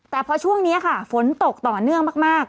แต่พอช่วงนี้ค่ะฝนตกต่อเนื่องมาก